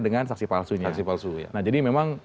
dengan saksi palsunya jadi memang